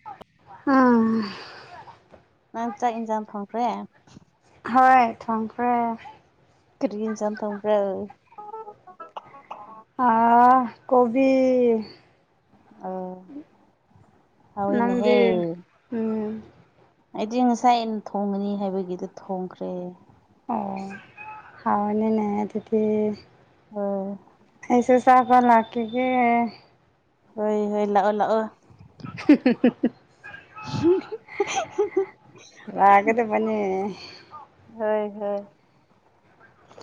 ꯑꯥ ꯅꯪ ꯆꯥꯛ ꯑꯦꯟꯖꯥꯡ ꯊꯣꯡꯈ꯭ꯔꯦ ꯍꯣꯏ ꯊꯣꯡꯈ꯭ꯔꯦ ꯀꯔꯤ ꯏꯟꯖꯡ ꯊꯣꯡꯕ꯭ꯔꯥ ꯑ ꯀꯣꯕꯤ ꯑꯣ ꯍꯥꯎꯏꯅꯦ ꯍꯦ ꯅꯪꯗꯤ ꯎꯝ ꯑꯩꯗꯤ ꯉꯁꯥꯏ ꯑꯩꯅ ꯊꯣꯡꯒꯅꯤ ꯍꯥꯏꯕꯒꯤꯗ ꯊꯣꯡꯈ꯭ꯔꯦ ꯑꯣ ꯍꯥꯎꯔꯅꯤꯅꯦ ꯑꯗꯨꯗꯤ ꯑ ꯑꯩꯁꯨ ꯆꯥꯕꯥ ꯂꯛꯀꯤꯒꯦ ꯍꯣꯏ ꯍꯣꯏ ꯂꯥꯛꯑꯣ ꯂꯥꯛꯑꯣ [inaudible] ꯂꯥꯛꯀꯗꯕꯅꯦ [inaudible] ꯍꯣꯏ ꯍꯣꯏ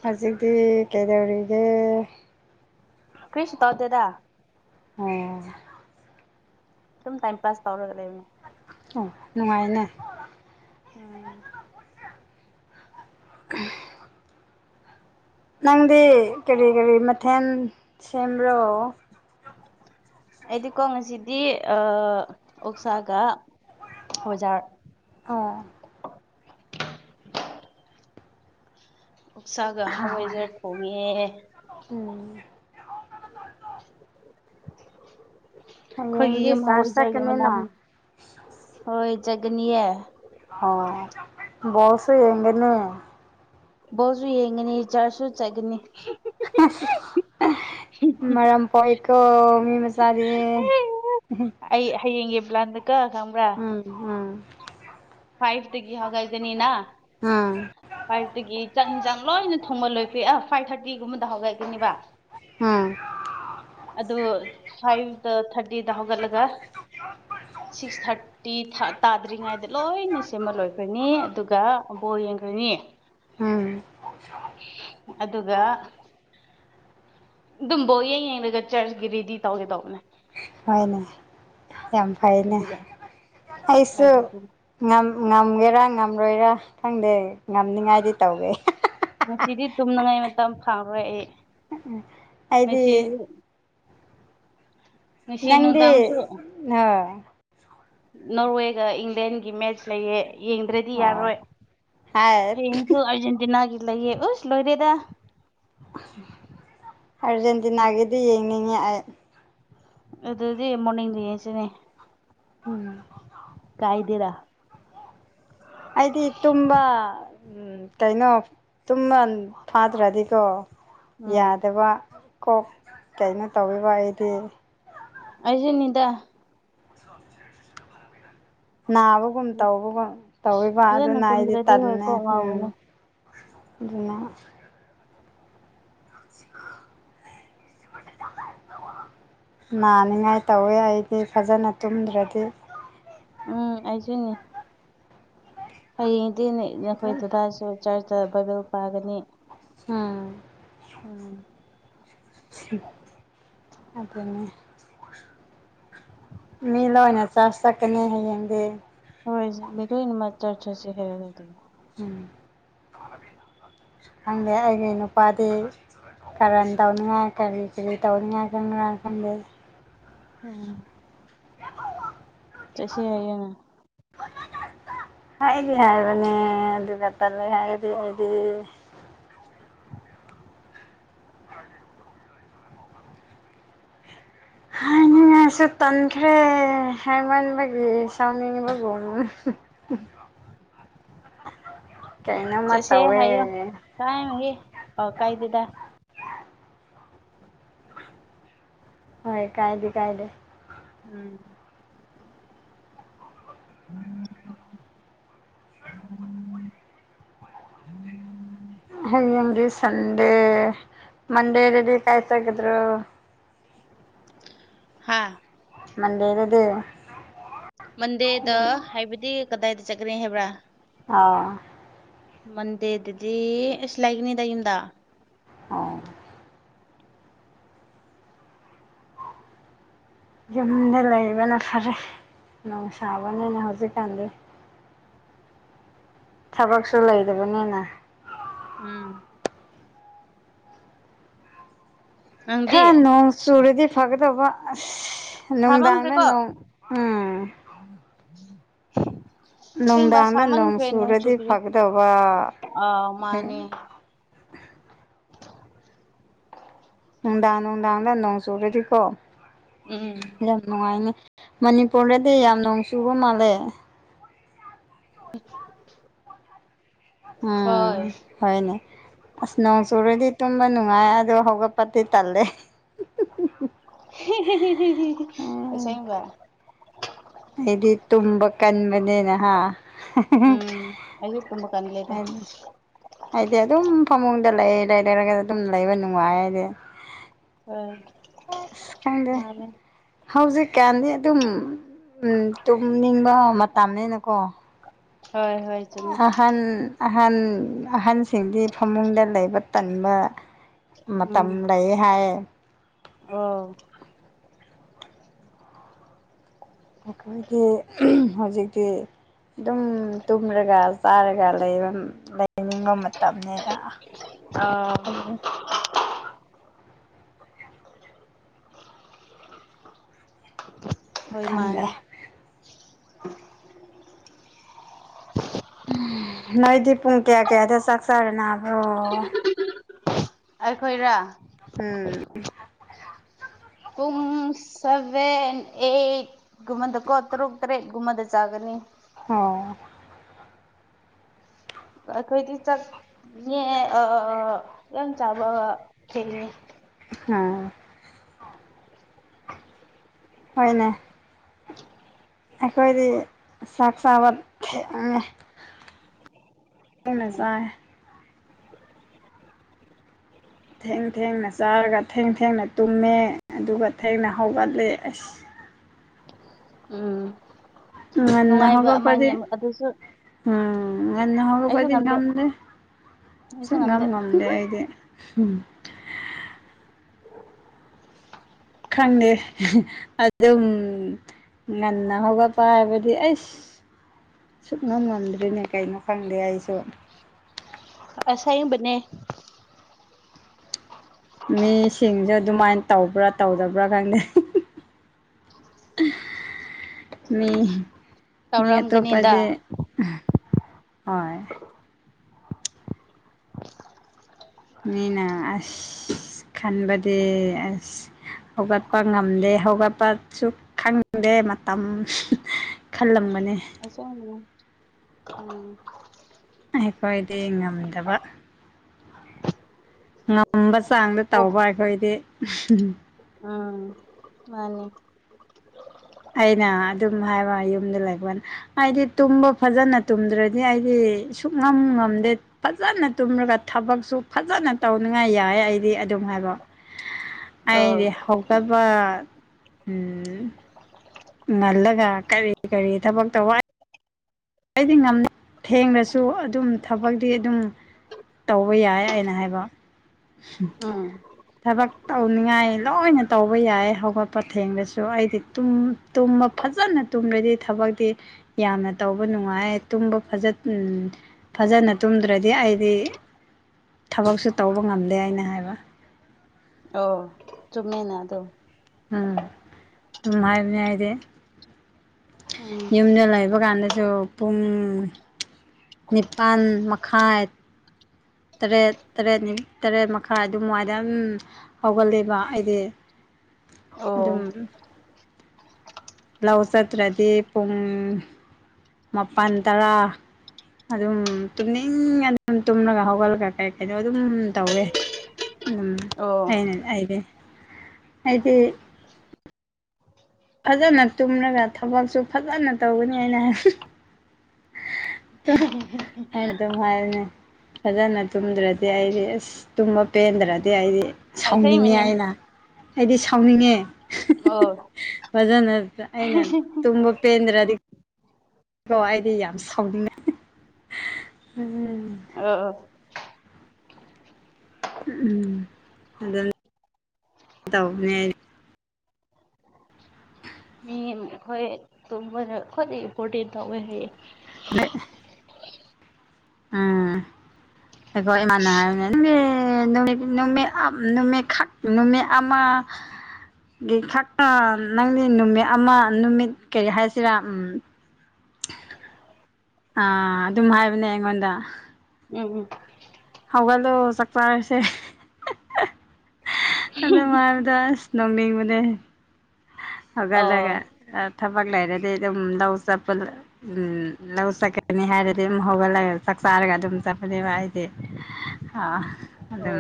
ꯍꯧꯖꯤꯛꯇꯤ ꯀꯩꯗꯧꯔꯤꯒꯦ ꯀ꯭ꯔꯤꯁꯨ ꯇꯧꯗꯦꯗ ꯑꯣ ꯑꯗꯨꯝ ꯇꯥꯏꯝ ꯄꯥꯁ ꯇꯧꯔꯒ ꯂꯩ ꯑꯣ ꯅꯨꯡꯉꯥꯏꯅꯦ ꯎꯝ [unintelligible] ꯅꯪꯗꯤ ꯀꯔꯤ ꯀꯔꯤ ꯃꯊꯦꯟ ꯁꯦꯝꯕ꯭ꯔꯣ ꯑꯩꯗꯤꯀꯣ ꯉꯁꯤꯗꯤ ꯑ ꯑꯣꯛꯁꯥꯒ ꯍꯋꯥꯢꯖꯥꯔ [unintelligible] ꯁꯥꯒ ꯍꯥꯎꯕꯅꯦ ꯍꯋꯥꯏꯖꯥꯔ ꯊꯣꯡꯉꯦ [unintelligible] ꯎꯝ ꯑꯩꯈꯣꯏꯒꯤ ꯍꯌꯦꯡꯗꯤ ꯌꯨꯝ ꯆꯔꯁ ꯍꯥꯎꯏꯖꯔꯒꯤ ꯆꯠꯀꯅꯤꯅ ꯃꯅꯝ ꯍꯧꯔꯣꯏꯖꯒꯅꯤꯌꯦ ꯑꯣ ꯕꯣꯜꯁꯨ ꯌꯦꯡꯒꯅꯦ ꯕꯣꯠꯁꯨ ꯌꯦꯡꯒꯅꯤ ꯆꯔꯖꯁꯨ ꯆꯠꯒꯅꯤ ꯃꯔꯝ ꯍꯣꯏꯀꯣ ꯃꯤ ꯃꯆꯥꯗꯤ ꯑꯩ ꯍꯌꯦꯡꯒꯤ ꯕ꯭ꯂꯥꯟꯗ ꯀꯥ ꯈꯪꯕ꯭ꯔꯥ ꯎꯝ ꯎꯝ ꯐꯥꯏꯕ ꯇꯒꯤ ꯍꯒꯥꯏꯗꯦꯅꯤꯅ ꯑꯥ ꯐꯥꯏꯚꯇꯒꯤ ꯆꯥꯛ ꯌꯦꯟꯖꯥꯡ ꯂꯣꯏꯅ ꯊꯣꯡꯒꯜꯂꯣꯏ ꯐꯦ ꯑ ꯐꯥꯏꯚ ꯊꯥꯔꯇꯤꯒꯨꯝꯕꯗ ꯍꯧꯒꯠꯀꯣꯏꯅꯤꯕ ꯎꯝ ꯑꯗꯨ ꯐꯥꯏꯚꯇ ꯊꯥꯔꯇꯤꯗ ꯍꯧꯒꯠꯂꯒ ꯁꯤꯛꯁ ꯊꯥꯔꯇꯤ ꯇꯥꯗ꯭ꯔꯤꯉꯩꯗ ꯂꯣꯏꯅ ꯁꯦꯝꯃꯜꯂꯣꯏꯕ ꯈ꯭ꯔꯅꯤ ꯑꯗꯨꯒꯕꯣꯣꯔ ꯌꯦꯡꯈ꯭ꯔꯅꯤ ꯎꯝ ꯑꯗꯨꯒ ꯑꯗꯨꯝꯕꯧ ꯌꯦꯡꯒꯠ ꯆꯔꯆꯀꯤ ꯔꯦꯗꯤ ꯇꯧꯒꯦ ꯇꯧꯕꯅꯦ ꯍꯣꯏꯅꯦ ꯌꯥꯝ ꯐꯩꯅꯦ ꯑꯗꯨꯒ ꯑꯩꯁꯨ ꯑꯩ ꯑꯗꯨ ꯉꯝ ꯉꯝꯒꯦꯔꯥ ꯉꯝꯔꯣꯏꯔꯥ ꯈꯪꯗꯦ ꯉꯝꯅꯤꯡꯉꯥꯏꯗꯤ ꯇꯧꯒꯦ ꯉꯁꯤꯗꯤ ꯇꯨꯝꯅꯉꯥꯏ ꯃꯇꯝ ꯐꯪꯔꯣꯏ ꯑꯩ ꯑꯩꯗꯤ ꯉꯁꯤ ꯉꯁꯤ ꯅꯪꯗꯤ ꯅꯨꯡꯗꯥꯡꯁꯨ ꯑꯣ ꯅꯣꯔꯋꯦꯒ ꯏꯪꯂꯦꯟꯒꯤ ꯃꯦꯠꯆ ꯂꯩꯌꯦ ꯌꯦꯡꯗ꯭ꯔꯗꯤ ꯑꯣ ꯌꯥꯔꯣꯏ ꯍꯥꯏ ꯍꯌꯦꯡꯁꯨ ꯑꯥꯔꯖꯦꯟꯇꯤꯅꯥꯒꯤ ꯂꯩꯌꯦ ꯎꯁ ꯂꯣꯏꯔꯦꯗ ꯑꯥꯔꯖꯦꯟꯇꯤꯅꯥꯒꯤꯗꯤ ꯌꯦꯡꯅꯤꯡꯉꯤ ꯑꯩ ꯑꯗꯨꯗꯤ ꯃꯣꯔꯅꯤꯡꯗ ꯌꯦꯡꯁꯤꯅꯦ [unintelligible] ꯀꯥꯏꯗꯦꯔꯥ ꯑꯩꯗꯤ ꯇꯨꯝꯕ ꯀꯩꯅꯣ ꯇꯨꯝꯕ ꯐꯥꯗ꯭ꯔꯗꯤꯀꯣ ꯎꯝ ꯌꯥꯗꯕ ꯀꯣꯛ ꯀꯩꯅꯣ ꯇꯧꯋꯕ ꯑꯩꯗꯤ ꯑꯩꯁꯦꯅꯤꯗ ꯅꯥꯕꯒꯨꯝ ꯇꯧꯕꯒꯨꯝ ꯇꯧꯤꯕ ꯐꯖꯅ ꯑꯗꯨꯅ ꯑꯩꯗꯤ ꯇꯨꯝꯗ꯭ꯔꯗꯤ ꯍꯣꯏ ꯇꯟꯅꯦ ꯀꯣꯛ ꯎꯝ ꯉꯥꯎꯕꯅꯦ ꯑꯗꯨꯅ [inaudible] ꯅꯥꯅꯤꯡꯉꯥꯏ ꯇꯧꯋꯦ ꯑꯩꯗꯤ ꯐꯖꯅ ꯇꯨꯝꯗ꯭ꯔꯗꯤ ꯎꯝ ꯑꯩꯁꯨꯅꯦ ꯍꯌꯦꯡꯗꯤꯅꯦ ꯅꯈꯣꯏ ꯗꯗꯥꯏꯁꯨ ꯆꯥꯔꯆꯇ ꯕꯥꯏꯕꯜ ꯄꯥꯒꯅꯤ ꯎꯝ ꯎꯝ ꯑꯗꯨꯅꯦ ꯃꯤ ꯂꯣꯏꯅ ꯆꯥꯁ ꯆꯛꯀꯅꯤ ꯍꯌꯦꯡꯗꯤ ꯍꯣꯏ ꯃꯗꯨ ꯏꯟ ꯃ ꯆꯔꯆꯁꯤ ꯍ ꯑꯗꯨ ꯎꯝ ꯈꯪꯗꯦ ꯑꯩꯒꯤ ꯅꯨꯄꯥꯗꯤ ꯀꯔ ꯇꯧꯅꯤ ꯉꯥꯏ ꯀ ꯇꯧꯅꯤ ꯉꯥꯏꯔ ꯎꯝ ꯆꯁ ꯍꯥꯏ ꯑ [unintelligible] ꯍꯥꯏꯗꯤ ꯍꯥꯏꯕꯅꯦ ꯑꯗꯨꯒꯇꯥ ꯂꯩ ꯍꯥꯏꯗꯤ ꯑꯩꯗꯤ ꯍꯥꯏ ꯅꯁꯨ ꯇꯟꯈ꯭ꯔꯦ ꯍꯥꯏꯩꯃꯟꯕꯒꯤ ꯁꯥꯎꯅꯤꯡꯕꯒꯨꯝ ꯝ ꯆꯠꯁꯦ ꯍꯥꯏꯌꯣ ꯇꯥꯏꯃꯌꯦꯦ ꯑꯣ ꯀꯥꯏꯗꯦꯗ ꯍꯣꯏ ꯀꯥꯏꯗꯦ ꯀꯥꯏꯗꯦ ꯎꯝꯝ ꯍꯌꯦꯡꯔꯤ ꯁꯟꯗꯦ ꯃꯗꯦ ꯔꯦꯗꯤ ꯀꯥꯏ ꯇꯒꯗ꯭ꯔꯣ ꯍꯥꯥ ꯃꯟꯗꯦꯗꯗ ꯃꯟꯗꯦꯗ ꯍꯥꯏꯕꯗꯤ ꯀꯗꯥꯏꯗ ꯆꯠꯈ꯭ꯔꯦ ꯍꯥꯏꯕ꯭ꯔꯥ ꯑꯣꯥꯎ ꯃꯗꯗꯤ ꯏꯁꯂꯥꯏꯒꯅꯤꯗ ꯍꯗꯥ ꯑꯣ ꯌꯨꯝꯗ ꯂꯩꯕꯅ ꯐꯔꯦ ꯅꯣꯡ ꯁꯥꯕꯅꯤꯅ ꯍꯧꯖꯤꯛꯀꯥꯟꯗꯤ ꯊꯕꯛꯁꯨ ꯂꯩꯗꯕꯅꯤꯅ ꯎꯝ ꯅꯪꯗꯤ ꯈꯔ ꯅꯣꯡ ꯆꯨꯔꯗꯤ ꯐꯒꯗꯕ ꯑꯁ ꯅꯨꯡꯗꯥꯡꯗ ꯁꯥꯃꯟꯈ꯭ꯔꯦꯀꯣ ꯅꯣꯡ ꯎꯝ [inaudible] [inaudible] ꯑꯁꯦꯡꯕ ꯅꯨꯡꯗꯥꯡꯗ ꯅꯣꯡ ꯁꯥꯃꯟꯈ꯭ꯔꯦ ꯆꯨꯔꯗꯤ ꯆꯨꯕꯤꯔꯤ ꯐꯒꯗꯧꯕ ꯑꯥ ꯃꯥꯅꯦ ꯅꯨꯡꯗꯥ ꯅꯨꯡꯗꯥꯗ ꯅꯣꯡ ꯆꯨꯔꯦꯗꯤꯀꯣ ꯎꯝ ꯌꯥꯝ ꯅꯨꯡꯉꯥꯏꯅꯦ ꯃꯅꯤꯄꯨꯔꯗꯗꯤ ꯌꯥꯝ ꯅꯣꯡ ꯆꯨꯕ ꯃꯥꯜꯂꯦ ꯍ ꯎꯝ ꯍꯣꯏꯅꯦ ꯑꯁ ꯅꯣꯡ ꯆꯨꯔꯗꯤ ꯇꯨꯝꯕ ꯅꯨꯡꯉꯥꯏ ꯑꯗꯣ ꯍꯧꯒꯠꯄꯗꯤ ꯇꯜꯂꯦ ꯁꯕ ꯏꯗꯤ ꯇꯨꯕꯥ ꯀꯟꯕꯅꯦꯦꯅ ꯍꯥ ꯎꯝ ꯑꯩꯗꯤ ꯀꯕ ꯀꯥꯟ ꯂꯩꯗ ꯑꯩꯗꯤ ꯑꯗꯨꯝ ꯐꯃꯨꯡꯗ ꯂꯩ ꯂꯩꯔꯔꯒ ꯑꯗꯨꯝ ꯂꯩꯕ ꯅꯨꯡꯉꯥꯏ ꯑꯩꯗꯤ [unintelligible] ꯑꯁ ꯈꯪꯗꯦ ꯃꯥꯅꯦ ꯍꯧꯖꯤꯛꯀꯥꯟꯗꯤ ꯑꯗꯨꯝ ꯎꯝ ꯇꯨꯝꯅꯤꯡꯕ ꯃꯇꯝꯅꯤꯅꯀꯣ ꯍꯣꯏ ꯍꯣꯏ ꯆꯨꯝꯃꯦ ꯑꯍꯟ ꯑꯍꯟ ꯑꯍꯟꯁꯤꯡꯗꯤ ꯐꯃꯨꯡꯗ ꯂꯩꯕ ꯇꯟꯕ ꯃꯇꯝ ꯎꯝ ꯂꯩ ꯍꯥꯏꯌꯦ [unintelligible] ꯑꯩꯈꯣꯏꯗꯤ ꯍꯧꯖꯤꯛꯇꯤ ꯑꯗꯨꯝ ꯇꯨꯝꯔꯒ ꯆꯥꯔꯒ ꯂꯩ ꯂꯩꯅꯤꯡꯕ ꯃꯇꯝꯅꯤꯗ ꯑꯥ ꯍꯣꯏ ꯈꯪꯗꯦ ꯃꯥꯅꯦ ꯎꯝ ꯅꯣꯏꯗꯤ ꯄꯨꯡ ꯀꯌꯥ ꯀꯌꯥꯗ ꯆꯥꯛ ꯆꯥꯔꯅꯕ꯭ꯔꫭ ꯑꯩꯈꯣꯏꯔꯥ ꯎꯝ ꯄꯨꯡ ꯁꯚꯦꯟ ꯑꯩꯠ ꯒꯨꯝꯕꯟꯗ ꯀꯣ ꯇꯔꯨꯛ ꯇꯔꯦꯠ ꯨꯝꯕꯟꯗ ꯆꯥꯒꯅꯤ [unintelligible] ꯑꯩꯈꯣꯏꯗꯤ ꯆꯥꯛ [unintelligible] ꯃꯤꯅꯦ ꯌꯥꯝ ꯆꯥꯕ ꯆꯤꯡꯉꯤ ꯍꯥꯝ ꯍꯣꯏꯅꯩ ꯑꯩꯈꯣꯏꯗꯤ ꯆꯥꯛ ꯆꯥꯕ ꯊꯦꯡꯉꯦ ꯊꯦꯡꯅ ꯆꯥꯏ ꯊꯦꯡ ꯊꯦꯡꯅ ꯆꯥꯔꯒ ꯊꯦꯡ ꯊꯦꯡꯅ ꯇꯨꯝꯃꯦ ꯑꯗꯨꯒ ꯊꯦꯡꯅ ꯍꯧꯒꯠꯂꯦ ꯑꯁ ꯎꯝ ꯉꯟꯅ ꯅꯨꯡꯉꯥꯏꯕ ꯍꯧꯒꯠꯄ ꯑꯃꯅꯦ ꯗꯤ ꯑꯗꯨꯁꯨ ꯎꯝ ꯉꯟꯅ ꯍꯧꯕ ꯄ ꯑꯩꯁꯨ ꯉꯝꯗꯦ ꯅꯗ ꯁꯨꯛ ꯉꯝ ꯉꯝꯗꯦ ꯑꯩꯗꯤ ꯎꯝ ꯈꯪꯗꯦ ꯑꯗꯨꯝ ꯉꯟꯅ ꯍꯧꯒꯠꯄ ꯍꯥꯏꯕꯗꯤ ꯑꯩꯁ ꯁꯨꯛꯅꯝ ꯉꯝꯗ꯭ꯔꯤꯅꯦ ꯀꯩꯅꯣ ꯈꯪꯗꯦ ꯑꯩꯁꯨ ꯑꯁꯦꯡꯕꯅꯦ ꯃꯤꯁꯤꯡꯁꯨ ꯑꯗꯨ ꯃꯥꯏꯅ ꯇꯧꯕ꯭ꯔꯥ ꯇꯧꯗꯕ꯭ꯔꯥ ꯈꯪꯗꯦ ꯃꯤ ꯃꯤ ꯑꯠꯇꯣ ꯇꯧꯔꯝꯒꯅꯤꯗ ꯄꯗꯤ ꯍꯣꯏ ꯃꯤꯅ ꯑꯁ ꯈꯟꯕꯗꯤ ꯑꯁ ꯍꯧꯒꯠꯄ ꯉꯝꯗꯦ ꯍꯧꯒꯠꯄꯁꯨ ꯈꯪꯗꯦ ꯃꯇꯝ ꯈꯜꯂꯝꯕꯅꯦ [unintelligible] ꯑꯩꯈꯣꯏꯗꯤ ꯉꯝꯗꯕ ꯉꯝꯕ ꯆꯥꯡꯗ ꯑꯣ ꯇꯧꯕ ꯑꯩꯈꯣꯏꯗꯤ ꯎꯝ ꯃꯥꯅꯤ ꯑꯩꯅ ꯑꯗꯨꯝ ꯍꯥꯏꯕ ꯌꯨꯝꯗ ꯂꯩꯕꯒꯟ ꯍꯥꯏꯗꯤ ꯇꯨꯝꯕ ꯐꯖꯅ ꯇꯨꯝꯗ꯭ꯔꯗꯤ ꯑꯩꯗꯤ ꯁꯨꯛꯉꯝ ꯉꯝꯗꯦ ꯐꯖꯅ ꯇꯨꯝꯃꯒ ꯊꯕꯛꯁꯨ ꯐꯖꯅ ꯇꯧꯅꯤꯉꯥꯏ ꯌꯥꯏ ꯑꯩꯗꯤ ꯑꯗꯨꯝ ꯍꯥꯏꯕ ꯑꯣ ꯑꯩꯗꯤ ꯍꯧꯇꯕ ꯎꯝ ꯉꯜꯂꯒ ꯀꯔꯤ ꯀꯔꯤ ꯊꯕꯛꯇꯩ ꯍꯥꯏ ꯑꯩꯗꯤ ꯉꯝ ꯊꯦꯡꯂꯁꯨ ꯑꯗꯨꯝ ꯊꯕꯛꯇꯤ ꯑꯗꯨꯝ ꯇꯧꯕ ꯌꯥꯏ ꯑꯩꯅ ꯍꯥꯏꯕ ꯎꯝ ꯊꯕꯛ ꯇꯧꯅꯤꯡꯉꯥꯏ ꯂꯣꯏꯅ ꯇꯧꯕ ꯌꯥꯏ ꯍꯧꯒꯠꯄ ꯊꯦꯡꯉꯁꯨ ꯑꯩꯗꯤ ꯇꯨꯝ ꯇꯨꯝꯕ ꯐꯖꯅ ꯇꯨꯝꯔꯗꯤ ꯊꯕꯛꯇꯤ ꯌꯥꯝꯅ ꯇꯧꯕ ꯅꯨꯡꯉꯥꯏ ꯇꯨꯝꯕ ꯐꯖꯠ ꯐꯖꯅ ꯇꯨꯝꯗ꯭ꯔꯗꯤ ꯑꯩꯗꯤ ꯊꯕꯛꯁꯨ ꯇꯧꯕ ꯉꯝꯗꯦ ꯍꯥꯏꯅ ꯍꯥꯏꯕ ꯑꯣ ꯆꯨꯝꯃꯤꯅꯑꯦ ꯑꯗꯣ ꯎꯝ ꯑꯗꯨꯝ ꯍꯥꯏꯕꯅꯦ ꯑꯩꯗꯤ ꯎꯝ ꯌꯨꯝꯗ ꯂꯩꯕ ꯀꯥꯟꯗꯁꯨ ꯄꯨꯡ ꯅꯤꯄꯥꯟ ꯃꯈꯥꯏ ꯇꯔꯦꯠ ꯇꯔꯦꯠ ꯅꯤꯠ ꯇꯔꯦꯠ ꯃꯈꯥꯏ ꯑꯗꯨꯝ ꯋꯥꯏꯗ ꯑꯝ ꯍꯧꯒꯂꯦꯕ ꯑꯩꯗꯤ ꯑꯣ ꯑꯗꯨꯝ ꯂꯧ ꯆꯠꯇ꯭ꯔꯗꯤ ꯄꯨꯡ ꯃꯥꯄꯜ ꯇꯔꯥ ꯑꯗꯨꯝ ꯇꯨꯝꯅꯤꯡ ꯑꯗꯨꯝ ꯇꯨꯝꯂꯒ ꯍꯧꯒꯠꯂꯒ ꯀꯩ ꯀꯩꯅꯣ ꯑꯗꯨꯝ ꯇꯧꯋꯦ ꯎꯝ ꯑꯣ ꯑꯅꯥ ꯑꯗꯤ ꯑꯗꯤ ꯐꯖꯅ ꯇꯨꯝꯂꯒ ꯊꯕꯛꯁꯨ ꯐꯖꯅ ꯇꯧꯒꯅꯤ ꯍꯥꯏꯅ ꯍꯥꯏ [unintelligible] ꯑꯩꯅ ꯑꯗꯨꯝ ꯍꯥꯏꯕꯅꯦ ꯐꯖꯅ ꯇꯨꯝꯗ꯭ꯔꯗꯤ ꯑꯩꯗꯤ ꯑꯁ ꯇꯨꯝꯕ ꯄꯦꯟꯗ꯭ꯔꯗꯤ ꯑꯩꯗꯤ ꯁꯥꯎꯅꯤꯡꯉꯦ ꯑꯁꯦꯡꯕꯅꯦ ꯑꯩꯅ ꯑꯩꯗꯤ ꯁꯥꯎꯅꯤꯡꯉꯦ [unintelligible] ꯃꯖꯅ ꯑꯩꯅ ꯇꯨꯝ ꯄꯦꯟ꯭ꯔ ꯀꯣ ꯑꯩꯗꯤ ꯌꯥꯝ ꯁꯥꯎꯅꯩ ꯎꯝ [unintelligible] ꯎꯝ ꯑꯗꯨꯝ ꯇꯦꯕꯥꯟ ꯑꯩꯈꯣꯏ ꯇꯨꯝꯗ ꯈ꯭ꯋꯥꯏꯗꯒꯤ ꯏꯝꯄꯣꯔꯇꯦꯟ ꯇꯧꯋꯦ ꯍꯥꯏ [unintelligible] ꯎꯝ ꯑꯩꯈꯣꯏ ꯏꯃꯥꯟꯅ ꯍꯥꯏꯕꯅꯦ ꯅꯨꯠ ꯅꯨꯃꯤꯠꯈꯛ ꯅꯨꯃꯤꯠ ꯑꯃ ꯒꯤ ꯈ ꯅꯪꯗꯤ ꯅꯨꯃꯤꯠ ꯑꯃ ꯅꯨꯃꯤꯠ ꯀꯔꯤ ꯍꯥꯏꯁꯤꯔꯥ ꯎꯝ ꯑꯥ ꯑꯗꯨꯝ ꯍꯥꯏꯕꯅꯦ ꯑꯩꯉꯣꯟꯗ ꯎꯝ ꯎꯝ ꯍꯧꯒꯠꯂꯣ ꯆꯥꯛ ꯆꯔꯥꯁꯦ ꯑꯗꯨꯉꯥꯜꯗ ꯑꯁ ꯅꫭꯛꯅꯤꯡꯕꯅꯦ ꯍꯧꯒꯠꯂꯒ ꯑꯣ ꯊꯕꯛ ꯂꯩꯔꯗꯤ ꯑꯗꯨꯝ ꯂꯧ ꯆꯞꯄꯗꯨ ꯎꯝ ꯂꯧ ꯆꯠꯀꯥꯅꯤ ꯍꯥꯏꯔꯗꯤ ꯍꯧꯒꯂꯒ ꯆꯥꯛ ꯆꯥꯔꯒ ꯑꯗꯨꯝ ꯆꯠꯄꯅꯦꯕ ꯑꯩꯗꯤ ꯑꯥ ꯑꯗꯨꯝ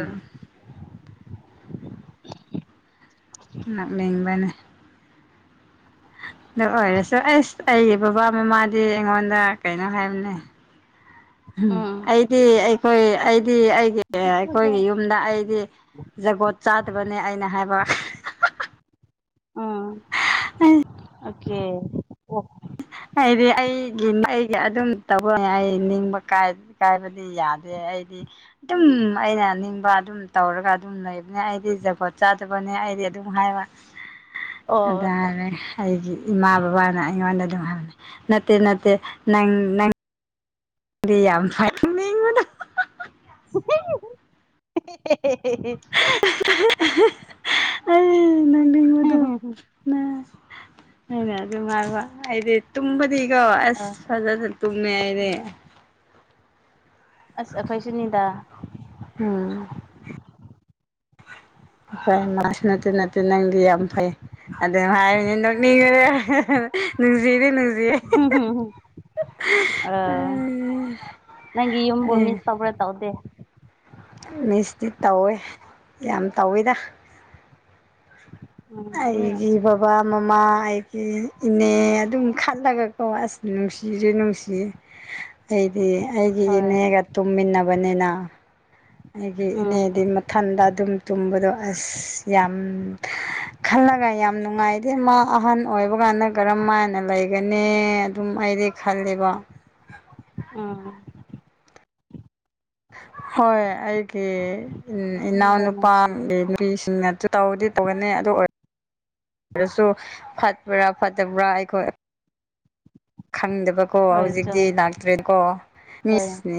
ꯂꯥꯛꯅꯤꯡꯕꯅꯦ ꯑꯗꯨ ꯑꯣꯏꯔꯁꯨ ꯑꯩꯁ ꯑꯩꯒꯤ ꯕꯕꯥ ꯃꯃꯥꯗꯤ ꯑꯩꯉꯣꯟꯗ ꯀꯩꯅꯣ ꯍꯥꯏꯕꯅꯦ ꯎꯝ ꯑꯩꯗꯤ ꯑꯩꯈꯣꯏ ꯑꯩꯗꯤ ꯑꯩꯒꯤ ꯑꯩꯈꯣꯏꯒꯤ ꯎꯝ ꯌꯨꯝꯗ ꯑꯩꯗꯤ ꯖꯒꯣꯠ ꯆꯥꯗꯕꯅꯦ ꯑꯩꯅ ꯍꯥꯏꯕ ꯎꯝ ꯎꯝ ꯑꯣꯀꯦ ꯍꯥꯏꯗꯤ ꯑꯩꯒꯤ ꯑꯩꯒꯤ ꯑꯗꯨꯝ ꯇꯧꯕ ꯑꯩ ꯅꯤꯡꯕ ꯀꯥꯏ ꯀꯥꯏꯕꯗꯤ ꯌꯥꯗꯦ ꯑꯩꯗꯤ ꯑꯗꯨꯝ ꯑꯩꯅ ꯅꯤꯡꯕ ꯑꯗꯨꯝ ꯇꯧꯔꯒ ꯑꯗꯨꯝ ꯂꯩꯕꯅꯦ ꯑꯩꯗꯤ ꯖꯄꯣꯠ ꯆꯥꯗꯕꯅꯦ ꯑꯩꯗꯤ ꯑꯗꯨꯝ ꯍꯥꯏꯕ ꯑꯣ ꯑꯗꯨ ꯍꯥꯏꯔꯦ ꯑꯩꯒꯤ ꯏꯃꯥ ꯕꯕꯥꯅ ꯑꯩꯉꯣꯟꯗ ꯑꯗꯨꯝ ꯍꯥꯏꯦ ꯅꯠꯇꯦ ꯅꯠꯇꯦ ꯅꯪꯪ ꯅꯪ [unintelligible] [unintelligible] [unintelligible] ꯑꯦ ꯅꯣꯛꯅꯤꯕ ꯗꯣ ꯑꯩꯅ ꯑꯗꯨꯝ ꯍꯥꯏꯕ ꯑꯩꯗꯤ ꯇꯨꯝꯕꯗꯤꯀꯣ ꯑꯁ ꯑ ꯐꯖꯅ ꯇꯨꯝꯃꯦ ꯑꯩꯗꯤ ꯑꯁ ꯑꯈꫭꯏꯁꯨꯅꯤꯗ ꯎꯝ ꯐꯩ ꯃꯥꯁꯨ ꯅꯠꯇꯦ ꯅꯠꯇꯦ ꯅꯪꯗꯤ ꯌꯥꯝ ꯐꯩ ꯑꯗꯨꯝ ꯍꯥꯏꯔꯤꯅꯤ ꯅꯣꯛꯅꯤꯡꯕꯅꯤ ꯅꯨꯡꯁꯤꯗꯤ ꯅꯨꯡꯁꯤꯌꯦ ꯑ ꯅꯪꯒꯤ ꯌꯨꯝꯕꯨ ꯑꯦ ꯃꯤꯁ ꯇꯧꯕ꯭ꯔꯥ ꯇꯧꯗꯦ ꯃꯤꯁꯇꯤ ꯇꯧꯋꯦ ꯌꯥꯝ ꯇꯧꯋꯤꯗ ꯎꯝ ꯃꯤ ꯑꯩꯒꯤ ꯕꯕꯥ ꯃꯃꯥ ꯑꯩꯒꯤ ꯏꯅꯦ ꯑꯗꯨꯝ ꯈꯠꯂꯒ ꯑꯣ ꯑꯁ ꯅꯨꯡꯁꯤꯔꯦ ꯅꯨꯡꯁꯤꯌꯦ ꯑꯩꯗꯤ ꯑꯩꯒꯤ ꯍꯣꯏ ꯏꯅꯦꯒ ꯇꯨꯝꯃꯤꯟꯅꯕꯅꯤꯅ ꯑꯩꯒꯤ ꯎꯝ ꯏꯅꯦꯗꯤ ꯃꯊꯟꯗ ꯑꯗꯨꯝ ꯇꯨꯝꯕꯗꯣ ꯑꯁ ꯌꯥꯝ ꯈꯜꯂꯒ ꯌꯥꯝ ꯅꯨꯡꯉꯥꯏꯇꯦ ꯃꯥ ꯑꯍꯟ ꯑꯣꯏꯕ ꯀꯥꯟꯗ ꯀꯔꯝ ꯃꯥꯏꯅ ꯂꯩꯒꯅꯤ ꯑꯗꯨꯝ ꯑꯩꯗꯤ ꯈꯜꯂꯤꯕ ꯑꯥ ꯍꯣꯏ ꯑꯩꯒꯤ ꯑꯁꯦꯡꯕ ꯅꯨꯡꯁꯤ ꯏꯅꯥꯎꯅꯨꯄꯥꯒꯤ ꯅꯨꯄꯤꯁꯤꯡꯅꯁꯨ ꯇꯧꯗꯤ ꯇꯧꯒꯅꯤ ꯑꯗꯨ ꯑꯣꯏ ꯁꯨ ꯐꯠꯕ꯭ꯔꯥ ꯐꯠꯇꯕ꯭ꯔꯥ ꯑꯩꯈꯣꯏ ꯈꯪꯗꯕ ꯀꯣ ꯍꯣꯏ ꯍꯧꯖꯤꯛꯇꯤ ꯆꯨꯝꯃꯦ ꯂꯥꯛꯇ꯭ꯔꯦꯀꯣ ꯍꯣꯏ ꯃꯤꯁꯅꯤ